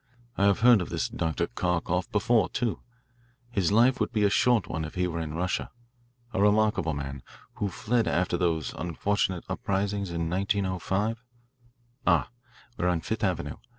I have heard of this Dr. Kharkoff before, too. His life would be a short one if he were in Russia. A remarkable man, who fled after those unfortunate uprisings in 1905. Ah, we are on Fifth Avenue.